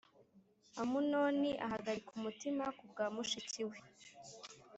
Amunoni ahagarika umutima ku bwa mushiki we